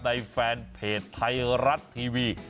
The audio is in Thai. แฟนเพจไทยรัฐทีวี